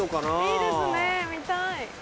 いいですね見たい。